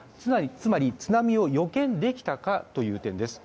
つまり、津波を予見できたかという点です。